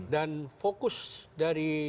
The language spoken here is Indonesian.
dan fokus dari